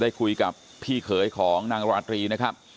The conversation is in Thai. ได้คุยกับพี่เขยของนางราตรีนะครับ